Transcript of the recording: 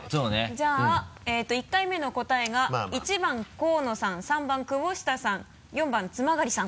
じゃあ１回目の答えが１番河野さん３番久保下さん４番津曲さん。